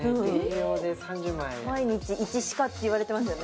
毎日１ＣＩＣＡっていわれてますよね